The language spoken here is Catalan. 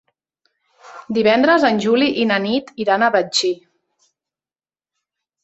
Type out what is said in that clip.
Divendres en Juli i na Nit iran a Betxí.